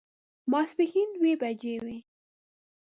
ماسپښين دوه بجې وې.